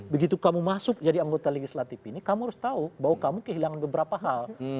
begitu kamu masuk jadi anggota legislatif ini kamu harus tahu bahwa kamu kehilangan beberapa hal